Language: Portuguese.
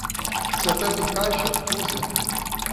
Se a tampa encaixa?, use-a.